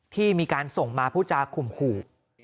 ที่มีการส่งมาผู้จาข่มขู่